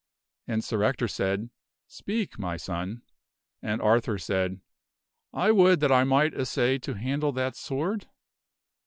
And Sir Ector said, "Speak, my son." And Arthur said, " I would that I might assay to handle that sword?"